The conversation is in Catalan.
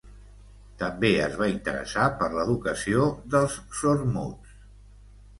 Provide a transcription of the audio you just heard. També es va interessar per l'educació dels sordmuts.